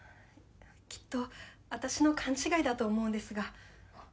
きっと私の勘違いだと思うんですが。